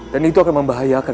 dan itu akan membahayakan